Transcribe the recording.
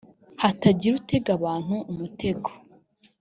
hatagira utega abantu umutego